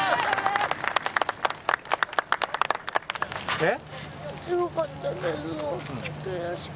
えっ？